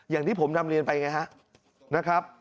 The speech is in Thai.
อย่างที่ผมนำเรียนไปไงฮะนะครับ